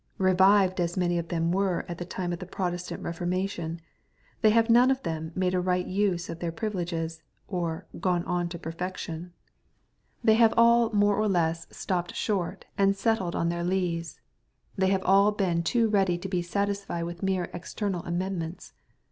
Eevived as many of them were at the time of the Protestant Keformation, they have none of them made a right use of their privileges, or "gone on to perfection." They have all more or le^f X38 EXP08IT0RT THOUGHTS. stopped short and settled on their lees. They have all been too ready to be satisfied with mere external amend ments.